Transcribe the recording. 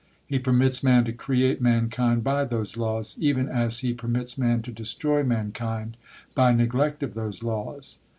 He permits man to create mankind by those laws, even as He permits man to destroy mankind by neglect of those laws.